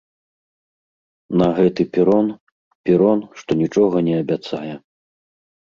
На гэты перон, перон, што нічога не абяцае.